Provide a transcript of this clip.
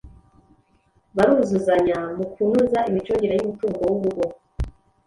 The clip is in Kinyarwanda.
Baruzuzanya mu kunoza imicungire y’umutungo w’urugo.